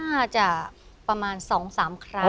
น่าจะประมาณ๒๓ครั้ง